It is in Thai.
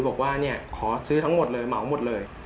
บอกว่าเนี่ยขอซื้อทั้งหมดเลยเหมาหมดเลย